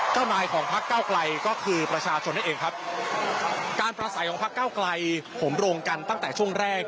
นายของพักเก้าไกลก็คือประชาชนนั่นเองครับการประสัยของพักเก้าไกลผมโรงกันตั้งแต่ช่วงแรก